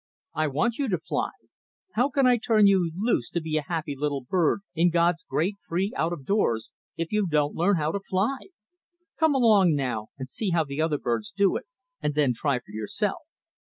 I want you to fly. How can I turn you loose to be a happy little bird in God's great free out of doors if you don't learn to fly? Come along now and see how the other birds do it, and then try for yourself."